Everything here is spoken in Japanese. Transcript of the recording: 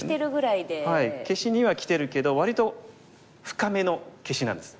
消しにはきてるけど割と深めの消しなんです。